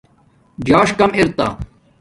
ژاݽ کمک اِرتہ